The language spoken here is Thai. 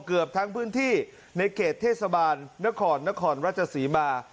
เกือบทั้งพื้นที่ในเขตเทศบาลนครนครราชศรีมา